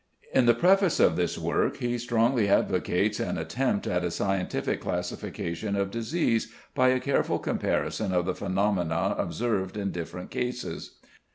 In the preface of this work he strongly advocates an attempt at a scientific classification of disease by a careful comparison of the phenomena observed in different cases.